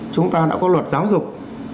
chúng ta đã có luật giáo dục